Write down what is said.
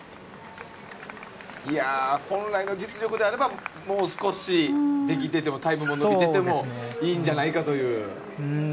本来の実力であればもう少しできててもタイムも伸びててもいいんじゃないかという。